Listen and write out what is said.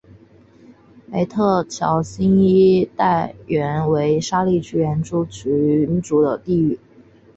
梅特乔辛一带原为沙利殊原住民族的地域。